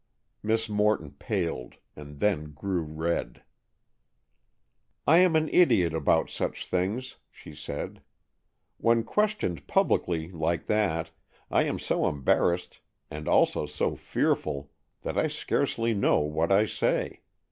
Miss Morton paled, and then grew red. "I am an idiot about such things," she said. "When questioned publicly, like that, I am so embarrassed and also so fearful that I scarcely know what I say.